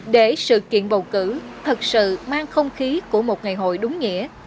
để sự kiện bầu cử thật sự mang không khí của một ngày hội đúng nghĩa